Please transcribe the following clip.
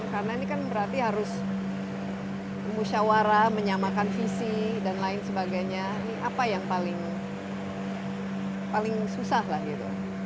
karena ini kan berarti harus bermusyawarah menyamakan visi dan lain sebagainya ini apa yang paling susah lah gitu